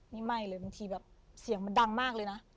นี่ไม่เลยบางทีแบบเสียงมันดังมากเลยนะ